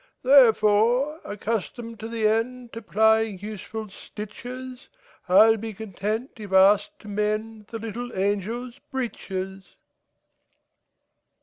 Therefore, accustomed to the endTo plying useful stitches,I 'll be content if asked to mendThe little angels' breeches.